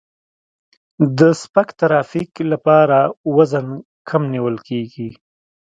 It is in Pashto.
د سپک ترافیک لپاره وزن کم نیول کیږي